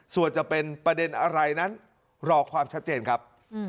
ส่วนจะเป็นประเด็นอะไรนั้นรอความชัดเจนครับ